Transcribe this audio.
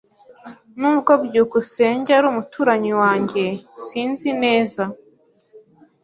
Nubwo byukusenge ari umuturanyi wanjye, sinzi neza.